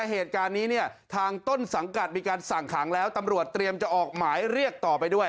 เหตุการณ์นี้เนี่ยทางต้นสังกัดมีการสั่งขังแล้วตำรวจเตรียมจะออกหมายเรียกต่อไปด้วย